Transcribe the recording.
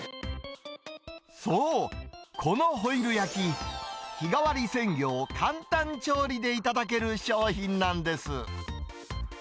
そう、このホイル焼き、日替わり鮮魚を簡単調理で頂ける商品なんです。